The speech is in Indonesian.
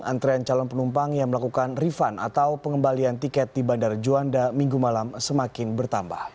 antrean calon penumpang yang melakukan refund atau pengembalian tiket di bandara juanda minggu malam semakin bertambah